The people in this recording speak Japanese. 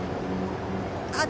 あっ